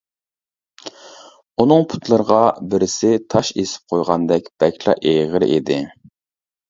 ئۇنىڭ پۇتلىرىغا بىرسى تاش ئېسىپ قويغاندەك بەكلا ئېغىر ئىدى.